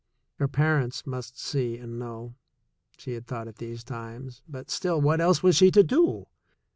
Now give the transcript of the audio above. Her parents must see and know, she had thought at these times, but still, what else was she to do?